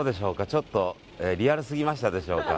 ちょっとリアルすぎましたでしょうか。